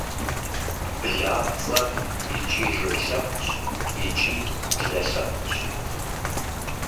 Блапцӏэр икӏи жыг лъэпкъщ, икӏи блэ лъэпкъщ.